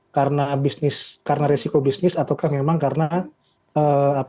karena bisnis karena resiko bisnis ataukah memang karena apa